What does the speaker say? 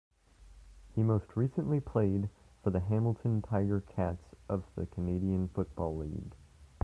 He most recently played for the Hamilton Tiger-Cats of the Canadian Football League.